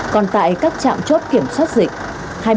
còn tại các trạm chốt kiểm soát dịch